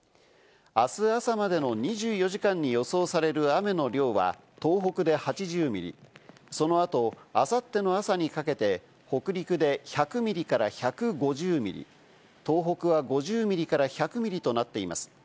あす朝までの２４時間に予想される雨の量は、東北で８０ミリ、その後、あさっての朝にかけて、北陸で１００ミリから１５０ミリ、東北は５０ミリから１００ミリとなっています。